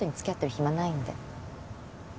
暇ないんで。